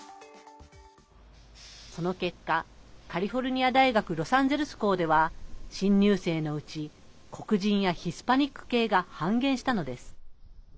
その結果、カリフォルニア大学ロサンゼルス校では新入生のうち、黒人やヒスパニック系が半減したのです。